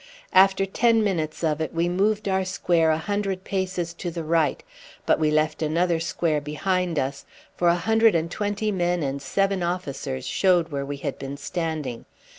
After ten minutes of it we moved our square a hundred paces to the right; but we left another square behind us, for a hundred and twenty men and seven officers showed where we had been standing.